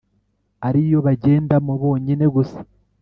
ariyo bagendamo bonyine gusa